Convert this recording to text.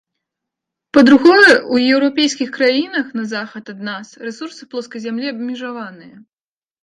Па-другое, у еўрапейскіх краінах на захад ад нас рэсурсы плоскай зямлі абмежаваныя.